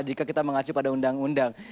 jika kita mengacu pada undang undang